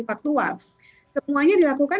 faktual semuanya dilakukan